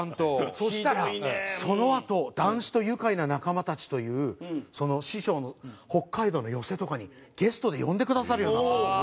そしたらそのあと「談志と愉快な仲間たち」という師匠の北海道の寄席とかにゲストで呼んでくださるようになったんですよ。